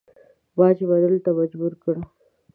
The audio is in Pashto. باج منلو ته مجبور کړ.